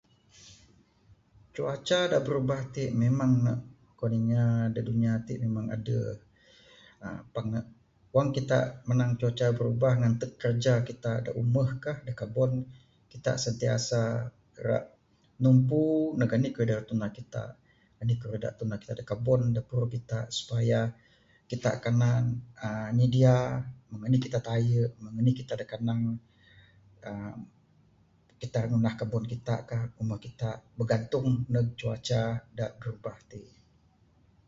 Cuaca da birubah tik memang ne kuwan inya da dunia tik memang aduh uhh pangan. Wang kitak manang cuaca birubah, mantug kiraja kitak da umuh kah, da kabon, kitak sentiasa rak numpu ndug anih kayuh ra tundah kitak. Anih kayuh da tundah kitak, da kabon supaya kitak kanan uhh nyidia mung anih kitak tayu, mung anih kitak da kanan uhh, kitak ngundah kabon kitak kah lamak kitak bigantung ndug cuaca da birubah ti.